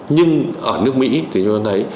nhưng ở nước mỹ thì chúng ta thấy